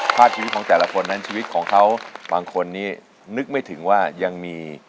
ภาพชีวิตของแต่ละคนนั้นชีวิตของเขาบางคนนี้นึกไม่ถึงว่ายังมี